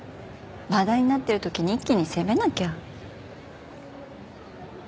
話題になってるときに一気に攻めなきゃ。